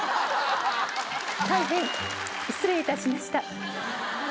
大変失礼いたしました。